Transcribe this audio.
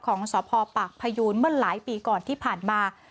ของสพปากพยูนเมื่อหลายปีก่อนที่ผ่านมา